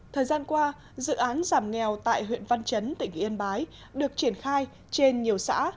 thời gian qua dự án giảm nghèo tại huyện văn chấn tỉnh yên bái được triển khai trên nhiều xã